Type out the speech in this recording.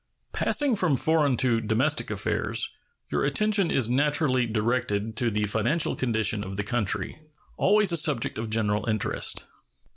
Passing from foreign to domestic affairs, your attention is naturally directed to the financial condition of the country, always a subject of general interest.